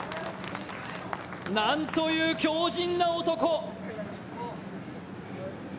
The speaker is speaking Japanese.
なんという強じんな男。